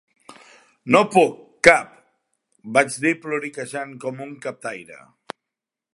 "No puc, cap", vaig dir ploriquejant com un captaire.